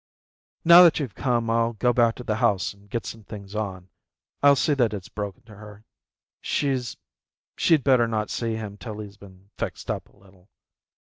"Now that you've come I'll go back to the house and get some things on. I'll see that it's broken to her. She'd better not see him till he's been fixed up a little."